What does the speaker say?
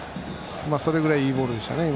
それぐらい、いいボールでしたね。